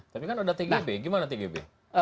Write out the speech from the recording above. tapi kan ada tgb gimana tgb